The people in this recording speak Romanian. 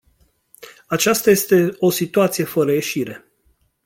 Aceasta este o situație fără ieșire.